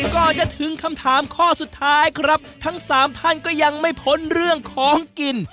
ก่อนจะถึงคำถามข้อสุดท้ายครับทั้งสามท่านก็ยังไม่พ้นเรื่องของกิน